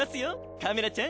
カメラちゃん！